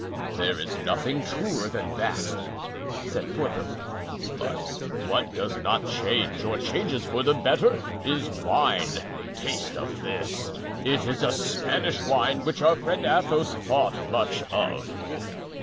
"There is nothing truer than that," said Porthos; "but what does not change, or changes for the better, is wine. Taste of this; it is a Spanish wine which our friend Athos thought much of."